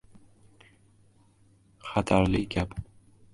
— Xudo bilibmi-bilmaymi, biz musulmonlar qo‘liga miltiq berdi.